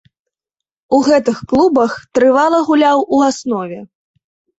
У гэтых клубах трывала гуляў у аснове.